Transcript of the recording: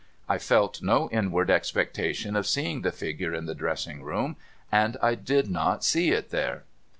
I felt no inward expectation of seeing the figure in the dressing room, and I did not see it there.